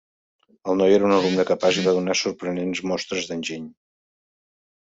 El noi era un alumne capaç i va donar sorprenents mostres d'enginy.